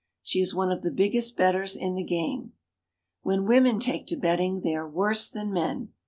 She is one of the biggest bettors in the game. When women take to betting they are worse than men.